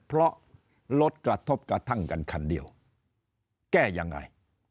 เพราะรถกระทบกระทั่งกันคันเดียวแก้ยังไง